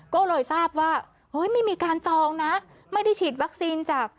ก็เลยทราบว่าเฮ้ยไม่มีการจองนะไม่ได้ฉีดวัคซีนจาก